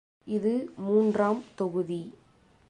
இது மூன்றாம் தொகுதி.